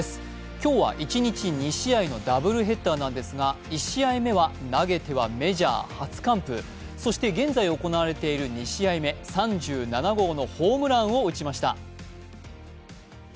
今日は一日２試合のダブルヘッダーなんですが１試合目は投げてはメジャー初完封そして現在行われている２試合目、３７号のホームランを打ちました。